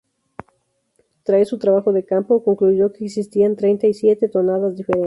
Tras su trabajo de campo, concluyó que existían treinta y siete tonadas diferentes.